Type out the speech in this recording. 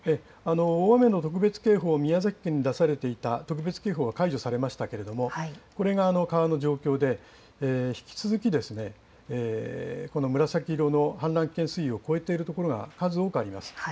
大雨の特別警報、宮崎県に出されていた特別警報は解除されましたけれども、これが川の状況で、引き続き、この紫色の氾濫危険水位を超えている所が数多くあります。